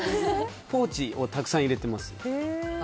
ポーチをたくさん入れてます。